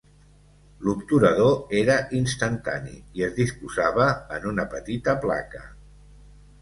L'obturador era instantani i es disposava en una petita placa.